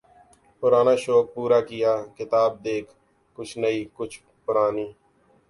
پرانا شوق پورا کیا ، کتاب دیکھ ، کچھ نئی ، کچھ و پرانی